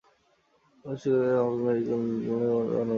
কলেজটি বাংলাদেশ মেডিকেল ও dental council কর্তৃক অনুমোদিত।